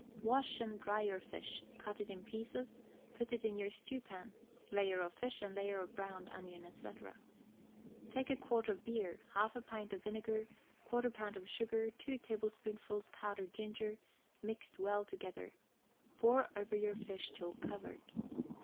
Wash and dry your fish, cut it in pieces, put it in your stewpan, layer of fish and layer of browned onion, &c. Take a quart of beer, half a pint of vinegar, quarter pound of sugar, two tablespoonfuls powdered ginger, mixed well together, pour over your fish till covered.